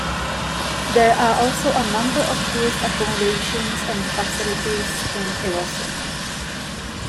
There are also a number of tourist accommodations and facilities in Irosin.